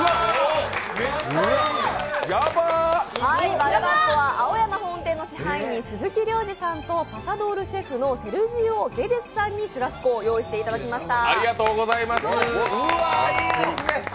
ＢＡＲＢＡＣＯＡは青山本店の支配人鈴木亮次さんとパサドールシェフのセルジオ・ゲデスさんにシュラスコを用意していただきました。